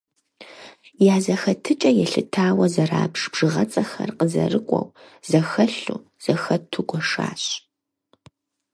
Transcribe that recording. Я зэхэтыкӀэ елъытауэ зэрабж бжыгъэцӀэхэр къызэрыкӀуэу, зэхэлъу, зэхэту гуэшащ.